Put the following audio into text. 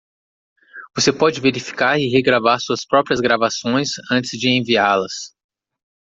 Você pode verificar e regravar suas próprias gravações antes de enviá-las.